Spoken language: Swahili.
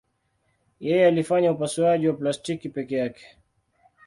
Yeye alifanya upasuaji wa plastiki peke yake.